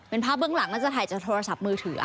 เป็นภาพเบื้องหลังน่าจะถ่ายจากโทรศัพท์มือถือ